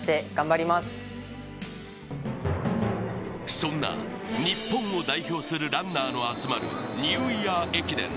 そんな日本を代表するランナーの集まるニューイヤー駅伝。